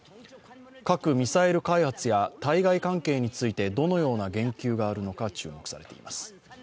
核・ミサイル開発や対外関係についてどのような言及があるのか注目されています。